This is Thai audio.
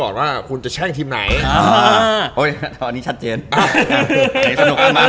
หมายถึงโดนนะ